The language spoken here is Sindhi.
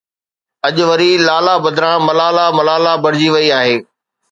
اڄ وري لالا بدران ملاله ملاله بڻجي وئي آهي.